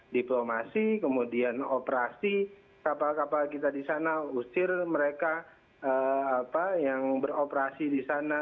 diplomasi kemudian operasi kapal kapal kita di sana usir mereka yang beroperasi di sana